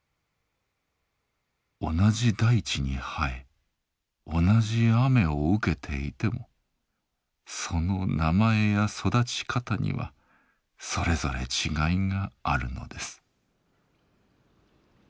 同じ大地に生え同じ雨を受けていてもその名前や育ち方にはそれぞれ違いがあるのです。